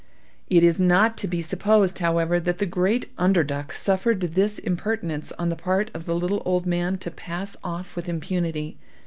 It is not to be supposed, however, that the great Underduk suffered this impertinence on the part of the little old man to pass off with impunity.